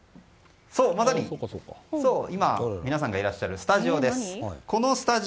そう、まさに今皆さんがいらっしゃるスタジオです。